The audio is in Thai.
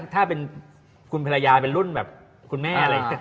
ถ้าเป็นคนพระยาเป็นรุ่นแบบคุณแม่อะไร